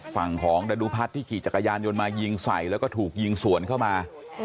ฝั่งของดาดุพัฒน์ที่ขี่จักรยานยนต์มายิงใส่แล้วก็ถูกยิงสวนเข้ามา